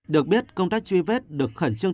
được biết công tác truy vết được khẩn trương